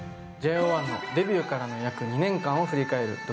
ＪＯ１のデビューからの約２年間を振り返る